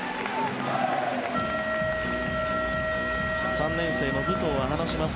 ３年生の武藤は話します。